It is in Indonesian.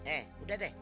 eh udah deh